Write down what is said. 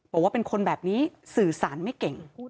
บอกว่าเป็นคนแบบนี้สื่อสารไม่เก่ง